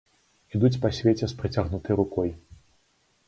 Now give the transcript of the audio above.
Ідуць па свеце з працягнутай рукой!